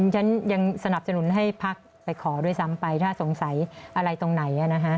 ฉันยังสนับสนุนให้พักโดยสำคัญไปถ้าสงสัยอะไรตรงไหน